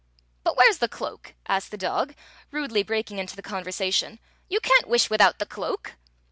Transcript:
''But where 's the cloak?" asked the dog, rudely breaking into the conversation. "You can't wish without the cloak."